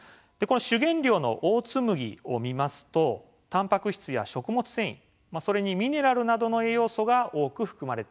主原料のオーツ麦を見ますとたんぱく質や食物繊維それにミネラルなどの栄養素が多く含まれているんですね。